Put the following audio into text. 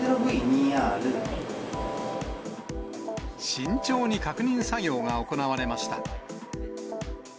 慎重に確認作業が行われました。